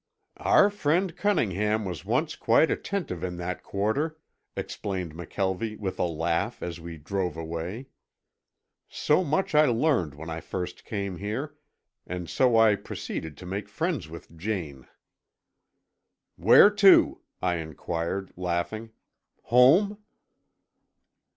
"Our friend Cunningham was once quite attentive in that quarter," explained McKelvie with a laugh as we drove away. "So much I learned when I first came here, and so I proceeded to make friends with Jane." "Where to?" I inquired, laughing. "Home?"